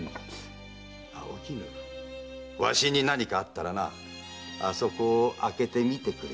お絹わしに何かあったらあそこを開けてみてくれ。